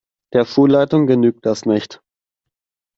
Der Schulleitung genügt das nicht.